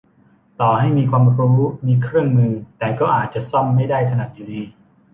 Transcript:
ต่อให้มีความรู้ มีเครื่องมือ แต่ก็อาจจะซ่อมไม่ได้ถนัดอยู่ดี